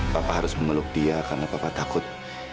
papa harus memeluk dia karena papa takut